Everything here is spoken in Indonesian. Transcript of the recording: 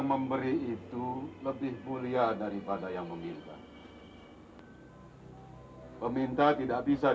sampai jumpa di video selanjutnya